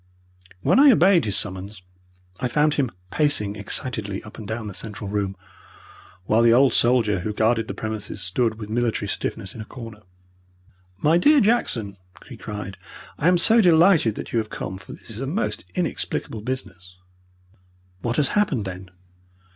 When I obeyed his summons I found him pacing excitedly up and down the central room, while the old soldier who guarded the premises stood with military stiffness in a corner. "My dear Jackson," he cried, "I am so delighted that you have come, for this is a most inexplicable business." "What has happened, then?"